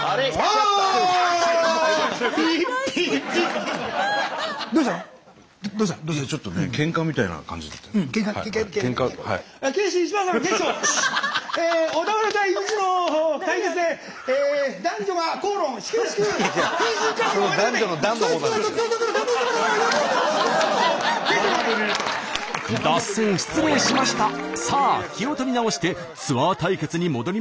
さあ気を取り直してツアー対決に戻りましょう。